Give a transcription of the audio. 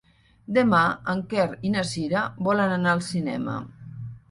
Demà en Quer i na Cira volen anar al cinema.